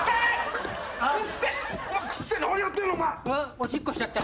おしっこしちゃった。